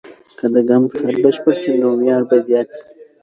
که د ګمبد کار بشپړ سي، نو ویاړ به زیات سي.